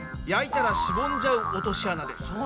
焼いたらしぼんじゃう落とし穴です。